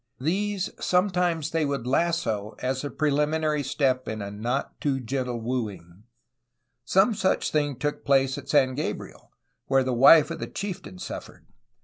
These sometimes they would lasso as the prelimin ary step in a not too gentle wooing. Some such thing took place at San Gabriel, where the wife of the chieftain suffered.